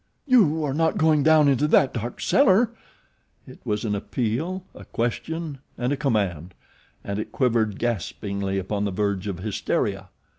"You are not going down into that dark cellar!" It was an appeal, a question, and a command; and it quivered gaspingly upon the verge of hysteria.